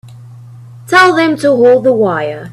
Tell them to hold the wire.